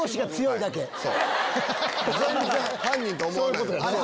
犯人と思わない。